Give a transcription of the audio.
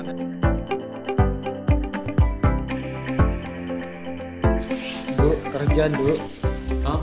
dulu kerjaan dulu